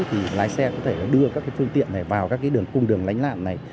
thì lái xe có thể đưa các phương tiện này vào các cung đường lánh lạng này